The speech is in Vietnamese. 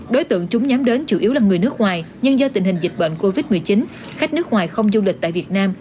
đối tượng chúng nhắm đến chủ yếu là người nước ngoài nhưng do tình hình dịch bệnh covid một mươi chín khách nước ngoài không du lịch tại việt nam